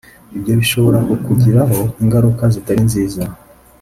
Ibyo bishobora kukugiraho ingaruka zitari nziza